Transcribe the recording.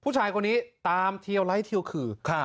ผู้ชายคนนี้ตามเทียวราทิ่วขือก่ะ